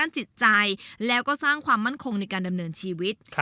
จิตใจแล้วก็สร้างความมั่นคงในการดำเนินชีวิต